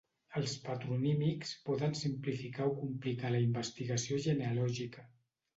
Els patronímics poden simplificar o complicar la investigació genealògica.